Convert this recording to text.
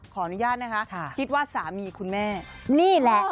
ขออนุญาตนะคะคิดว่าสามีคุณแม่